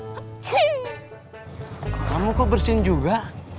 mas pur kamu kok bersin juga